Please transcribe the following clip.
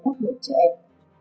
các nền trẻ em